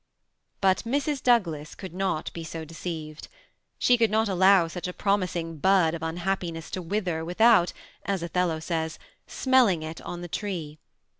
But Mrs. Douglas wuld not be so deceived Sbe could not allow such a promising bud of unbapptneBS to wither without, as Othello says, ^smelling it cm the tree."